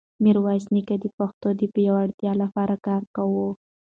میرویس نیکه د پښتنو د پیاوړتیا لپاره کار کاوه.